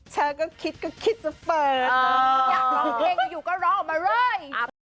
เธอก็คิดก็คิดจะเปิดอยากร้องเพลงอยู่ก็ร้องออกมาเลย